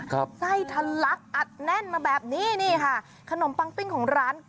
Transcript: ครับไส้ทันลักษณ์อัดแน่นมาแบบนี้ค่ะ